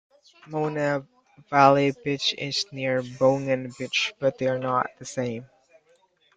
Mona Vale Beach is near Bungan Beach but they are not the same.